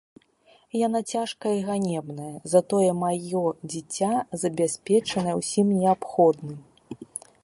Яна цяжкая і ганебная, затое маё дзіця забяспечанае ўсім неабходным.